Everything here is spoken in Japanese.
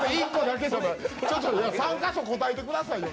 ちょっちょ、３か所答えてくださいよ。